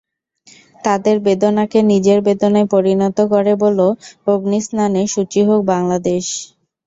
তাদের বেদনাকে নিজের বেদনায় পরিণত করে বলো, অগ্নিস্নানে শুচি হোক বাংলাদেশ।